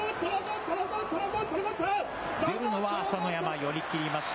出るのは朝乃山、寄り切りました。